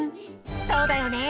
そうだよね。